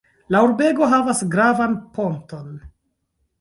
La urbego havas gravan ponton.